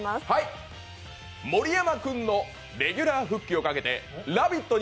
盛山君のレギュラー復帰をっかけてラヴィット！